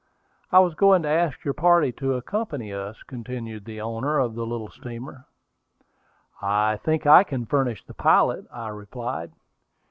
I was going to ask your party to accompany us," continued the owner of the little steamer. "I think I can furnish the pilot," I replied.